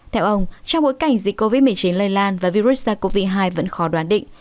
theo ông trong bối cảnh dịch covid một mươi chín lây lan và virus sars cov hai vẫn khó đoán định